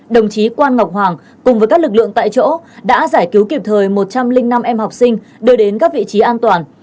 đồng chí quan ngọc hoàng cùng với các lực lượng tại chỗ đã giải cứu kịp thời một trăm linh năm em học sinh đưa đến các vị trí an toàn